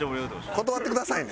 断ってくださいね。